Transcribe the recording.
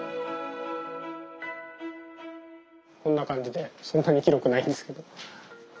こんな感じでそんなに広くないんですけど。